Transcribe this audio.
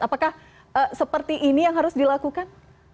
apakah seperti ini yang harus dilakukan